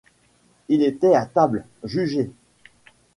On était à table, jugez.